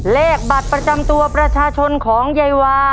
เลขบัตรประจำตัวประชาชนของยายวา